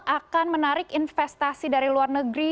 akan menarik investasi dari luar negeri